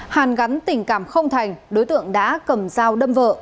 hàn gắn tình cảm không thành đối tượng đã cầm dao đâm vợ